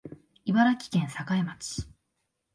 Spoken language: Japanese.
茨城県境町